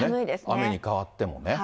雨に変わってもね。